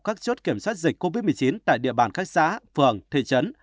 các chốt kiểm soát dịch covid một mươi chín tại địa bàn các xã phường thị trấn